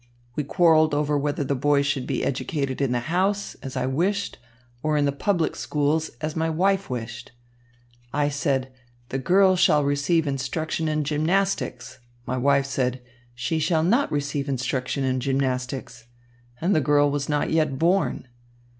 We quarrelled over whether the boy should be educated in the house, as I wished, or in the public schools, as my wife wished. I said, 'The girl shall receive instruction in gymnastics.' My wife said, 'She shall not receive instruction in gymnastics.' And the girl was not yet born.